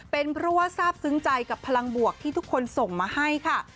เป็นเพราะว่าทราบซึ้งใจกับพลังบวกที่ทุกคนส่งมาให้ค่ะ